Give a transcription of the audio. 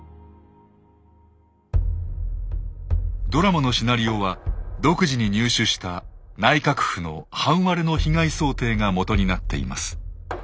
ドラマのシナリオは独自に入手した内閣府の半割れの被害想定が基になっています。